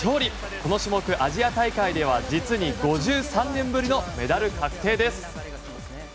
この種目、アジア大会では実に５３年ぶりのメダル確定です。